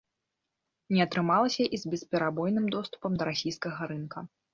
Не атрымалася і з бесперабойным доступам да расійскага рынка.